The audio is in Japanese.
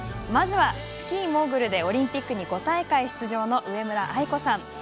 まずは、スキーモーグルでオリンピックに５大会出場の上村愛子さん。